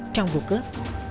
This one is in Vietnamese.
trong vụ cướp